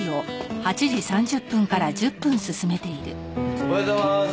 おはようございます。